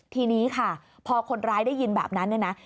ทีนี้ค่ะพอคนร้ายได้ยินแบบนั้นเนี่ยนะ